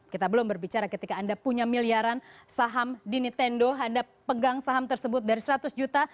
kita belum berbicara ketika anda punya miliaran saham di nintendo anda pegang saham tersebut dari seratus juta